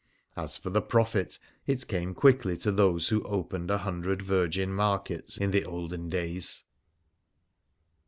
As for the profit, it came quickly to those who opened a hundred virgin markets in the olden days.